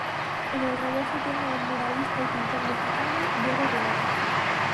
En el Reverso tienen al muralista y pintor mexicano Diego Rivera.